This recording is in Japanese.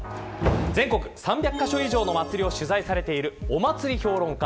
全国３００カ所以上の祭りを取材されているお祭り評論家